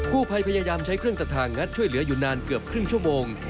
ผู้ภัยพยายามใช้เครื่องตัดทางงัดช่วยเหลืออยู่นานเกือบครึ่งชั่วโมง